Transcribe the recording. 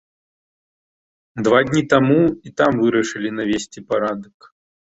Два дні таму і там вырашылі навесці парадак.